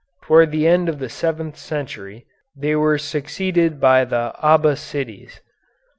Toward the end of the seventh century they were succeeded by the Abbassides.